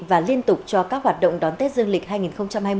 và liên tục cho các hoạt động đón tết dương lịch hai nghìn hai mươi